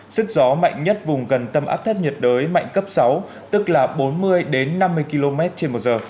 sức gió mạnh nhất vùng gần tâm áp thấp nhiệt đới mạnh cấp sáu tức là bốn mươi năm mươi km trên một giờ